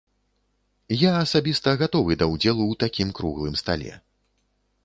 Я асабіста гатовы да ўдзелу ў такім круглым стале.